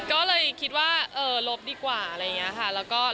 ก็เลยคิดว่าเออลบดีกว่าอะไรอย่างนี้ค่ะ